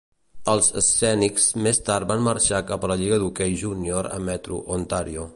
Els Scenics més tard van marxar cap a la Lliga d'Hoquei Júnior A Metro d'Ontario.